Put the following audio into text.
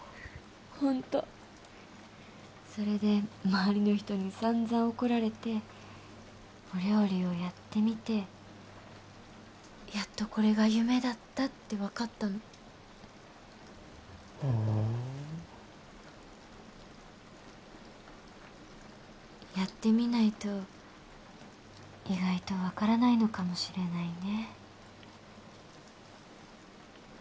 ホントそれで周りの人にさんざん怒られてお料理をやってみてやっとこれが夢だったって分かったのふんやってみないと意外と分からないのかもしれないね